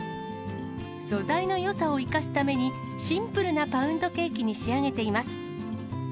素材のよさを生かすために、シンプルなパウンドケーキに仕上げています。